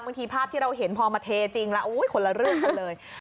ภาพที่เราเห็นพอมาเทจริงแล้วคนละเรื่องกันเลย